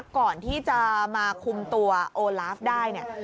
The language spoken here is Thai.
ก่อนที่จะมาคุมตัวโอลาฟได้เนี่ย